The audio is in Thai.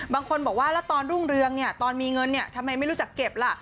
บางคนบอกว่าแล้วตอนรุ่งเรืองเนี่ยตอนมีเงินทำไมไม่รู้จักเก็บล่ะ